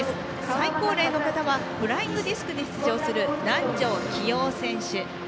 最高齢の方はフライングディスクに出場する南條清男選手。